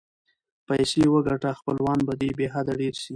پیسې وګټه خپلوان به دې بی حده ډېر سي.